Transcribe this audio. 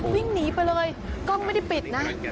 วิ่งหนีไปเลยกล้องไม่ได้ปิดนะ